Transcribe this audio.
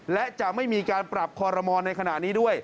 และจะไม่มีการปรับคอรมอลในขณะนี้ด้วย